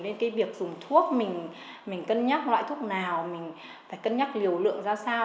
nên cái việc dùng thuốc mình cân nhắc loại thuốc nào mình phải cân nhắc liều lượng ra sao